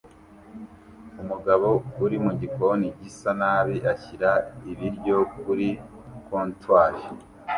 Umugabo uri mu gikoni gisa nabi ashyira ibiryo kuri comptoir